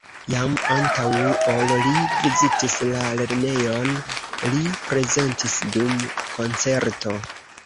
Jam antaŭ ol li vizitis la lernejon, li prezentis dum koncerto.